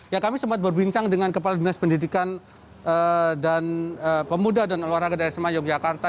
ya kami sempat berbincang dengan kepala dinas pendidikan dan pemuda dan olahraga dari sema yogyakarta